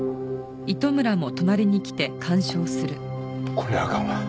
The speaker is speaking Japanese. こりゃあかんわ。